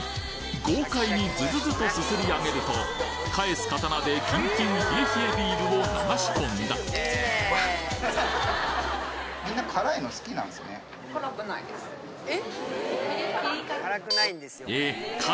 豪快にズズズとすすり上げると返す刀でキンキン冷え冷えビールを流し込んだえ？